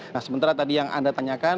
nah sementara tadi yang anda tanyakan